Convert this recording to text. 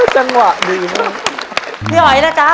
จังหวะดีมาก